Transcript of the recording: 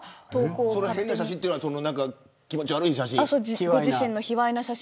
変な写真というのは気持ち悪い写真。